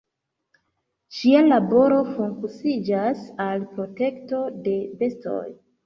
Ŝia laboro fokusiĝas al protekto de bestoj.